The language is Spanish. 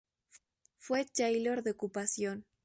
Fue taylor de ocupación.